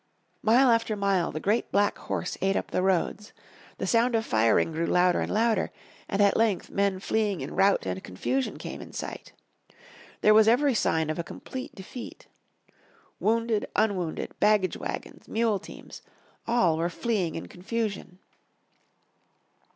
Mile after mile the great black horse ate up the roads. The sound of firing grew louder and louder, and at length men fleeing in rout and confusion came in sight. There was every sign of a complete defeat. Wounded, unwounded, baggage wagons, mule teams, all were fleeing in confusion.